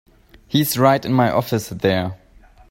He's right in my office there.